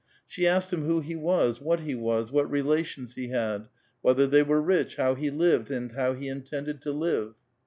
She asked liim who he was, what he was, what relations he had, whether they were rich, how he lived, and how he intended to live.